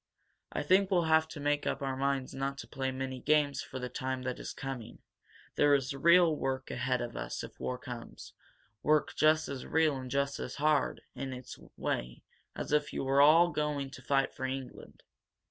"I think we'll have to make up our minds not to play many games for the time that is coming. There is real work ahead of us if war comes work just as real and just as hard, in its way, as if we were all going to fight for England.